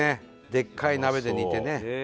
でっかい鍋で煮てね。